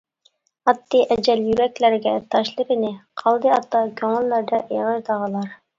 ئاتتى ئەجەل يۈرەكلەرگە تاشلىرىنى، قالدى ئاتا، كۆڭۈللەردە ئېغىر داغلار.